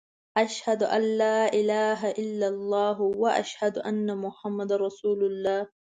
اشهد ان لا اله الا الله و اشهد ان محمد رسول الله.